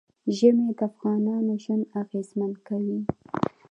ژمی د افغانانو ژوند اغېزمن کوي.